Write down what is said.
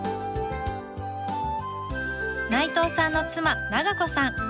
内藤さんの妻良子さん。